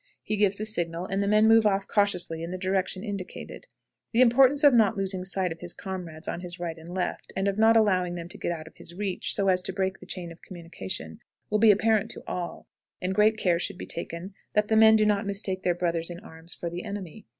He gives the signal, and the men move off cautiously in the direction indicated. The importance of not losing sight of his comrades on his right and left, and of not allowing them to get out of his reach, so as to break the chain of communication, will be apparent to all, and great care should be taken that the men do not mistake their brothers in arms for the enemy.